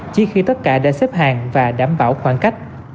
chỉ khi tất cả đã xếp hàng và đảm bảo khoảng cách